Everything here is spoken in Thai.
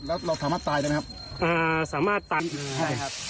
เราสามารถตายได้มั้ยครับ